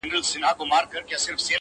د مهذب دور ځنګل کښې اوسم